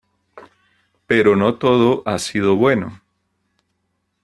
Pero no todo ha sido bueno.